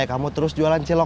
kamu keeping at the eden